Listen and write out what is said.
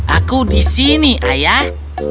aku di sini ayah